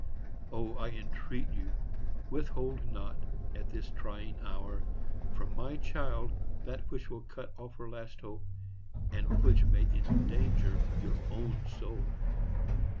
O! I entreat you, withhold not, at this trying hour, from my child that which will cut off her last hope, and which may endanger your own soul!